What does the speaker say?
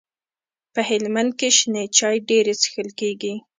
په هلمند کي شنې چاي ډيري چیښل کیږي.